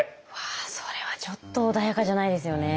ああそれはちょっと穏やかじゃないですよね。